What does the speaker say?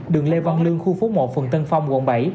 đường lê văn lương khu phố một phường tân phong quận bảy